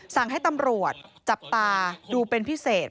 สั่งให้ตำรวจจับตาดูเป็นพิเศษ